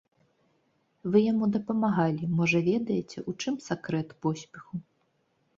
Вы яму дапамагалі, можа, ведаеце, у чым сакрэт поспеху?